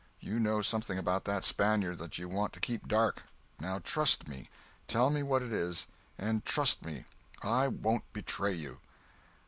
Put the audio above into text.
You know something about that Spaniard that you want to keep dark. Now trust me—tell me what it is, and trust me—I won't betray you."